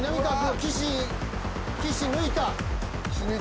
岸抜いた！